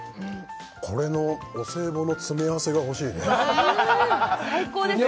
これのお歳暮の詰め合わせが欲しいね最高ですね